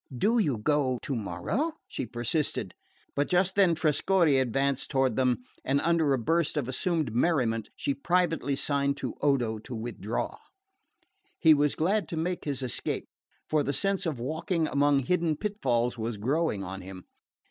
Do you go tomorrow?" she persisted; but just then Trescorre advanced toward them, and under a burst of assumed merriment she privately signed to Odo to withdraw. He was glad to make his escape, for the sense of walking among hidden pitfalls was growing on him.